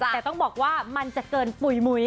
แต่ต้องบอกว่ามันจะเกินปุ๋ยมุ้ย